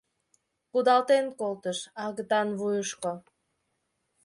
Кудалтен колтыш — агытан вуйышко!